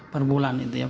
per bulan itu ya pak